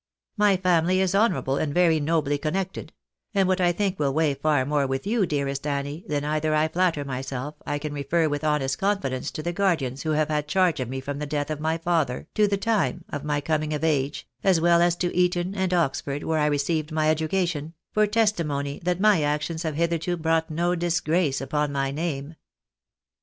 My family is honourable, and very nobly connected ; and what I think will weigh far more with you, dearest Annie, than either, I flatter myself I can refer with honest confidence to the guardians who have had charge of me from the death of my father to the time of my coming of age, as well as to Eton and Oxford, where I received my education, for testimony that my actions have hitherto brought i^o disgrace upon my name."